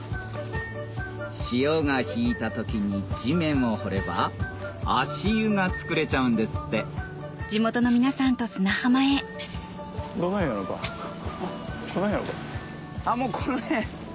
潮が引いた時に地面を掘れば足湯が作れちゃうんですってもうこの辺？